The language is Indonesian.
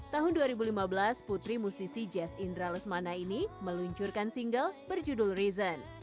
tahun dua ribu lima belas putri musisi jazz indra lesmana ini meluncurkan single berjudul reason